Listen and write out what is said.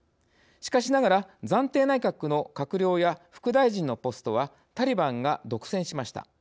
しかしながら暫定内閣の閣僚や副大臣のポストはタリバンが独占しました。